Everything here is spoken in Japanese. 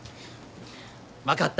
分かった。